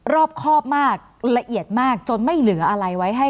รอบครอบมากละเอียดมากจนไม่เหลืออะไรไว้ให้